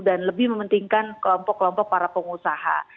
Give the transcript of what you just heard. dan lebih mementingkan kelompok kelompok para pengusaha